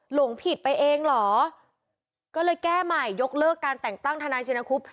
หลงผิดไปเองเหรอก็เลยแก้ใหม่ยกเลิกการแต่งตั้งทนายชินคุบ